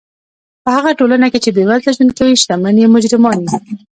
په هغه ټولنه کښي، چي بېوزله ژوند کوي، ښتمن ئې مجرمان يي.